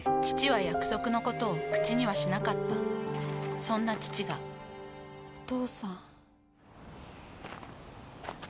父は約束のことを口にはしなかったそんな父がお父さん。